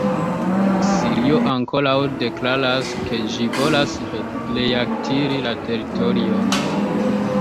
Sirio ankoraŭ deklaras, ke ĝi volas reakiri la teritorion.